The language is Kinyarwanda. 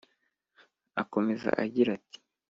akomeza agira ati “